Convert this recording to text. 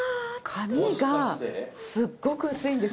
紙がすっごく薄いんです。